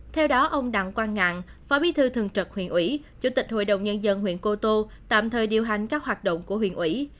theo đó ông đặng quang ngạn phó bí thư thường trực huyện ủy chủ tịch hội đồng nhân dân huyện cô tô tạm thời điều hành các hoạt động của huyện ủy